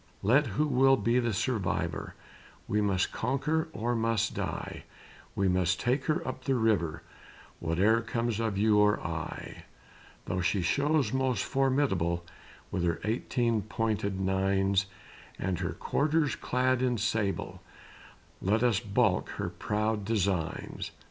"Let who will be the survivor, We must conquer or must die, We must take her up the river, Whate'er comes of you or I: Though she shows most formidable With her eighteen pointed nines, And her quarters clad in sable, Let us balk her proud designs.